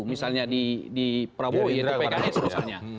misalnya di prabowo di pks misalnya